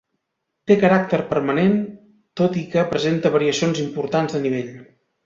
Té caràcter permanent, tot i que presenta variacions importants de nivell.